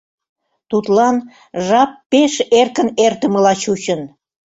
тудлан жап пеш эркын эртымыла чучын.